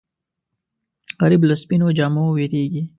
غریب له سپینو جامو وېرېږي